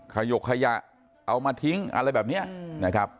ขยกขยะเอามาทิ้งอะไรแบบนี้นะครับ